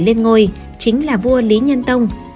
lên ngôi chính là vua lý nhân tông